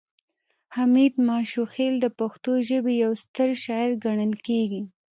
حمید ماشوخیل د پښتو ژبې یو ستر شاعر ګڼل کیږي